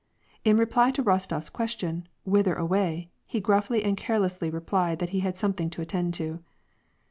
In reply to Rostof s question, "Whither away," he gruffly and carelessly replied that he had something to attend to.